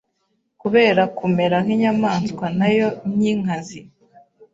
kubera kumera nk’inyamaswa nayo nyinkazi